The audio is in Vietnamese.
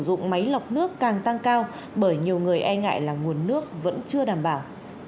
và nhu cầu sử dụng máy lọc nước càng tăng cao bởi nhiều người e ngại là nguồn nước vẫn chưa đảm bảo